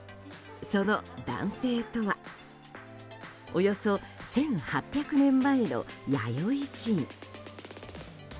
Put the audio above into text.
その男性とはおよそ１８００年前の弥生人。